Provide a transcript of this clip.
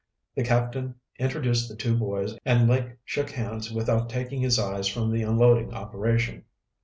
The captain introduced the two boys and Lake shook hands without taking his eyes from the unloading operation.